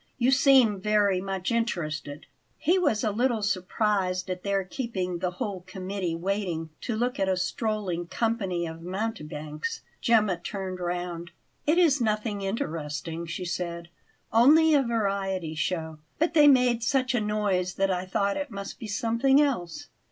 "You seem very much interested." He was a little surprised at their keeping the whole committee waiting to look at a strolling company of mountebanks. Gemma turned round. "It is nothing interesting," she said; "only a variety show; but they made such a noise that I thought it must be something else."